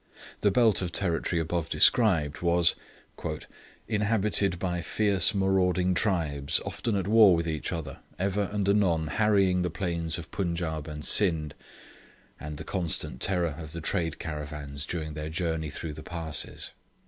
The belt of territory above described was 'inhabited by fierce marauding tribes, often at war with each other, ever and anon harrying the plains of the Punjaub and Scinde, and the constant terror of the trade caravans during their journey through the passes.'